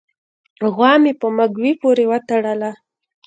غوا مې په مږوي پورې و تړله